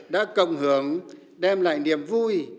đã cộng hưởng đem lại niềm vui